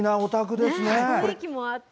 雰囲気もあって。